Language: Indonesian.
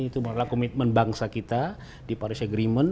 itu adalah komitmen bangsa kita di paris agreement